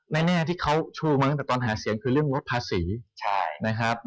แม่แน่ที่เขาชูเลยจะตามต่อมาเสียงคือเรื่องลดภาษาศูนย์